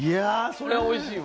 そりゃおいしいわ。